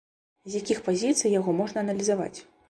З якіх пазіцый яго можна аналізаваць?